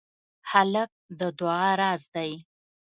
هلک د دعا راز دی.